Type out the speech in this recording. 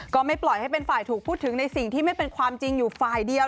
ก็ไม่ปล่อยให้เป็นฝ่ายถูกพูดถึงในสิ่งที่ไม่เป็นความจริงอยู่ฝ่ายเดียว